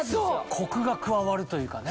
コクが加わるというかね。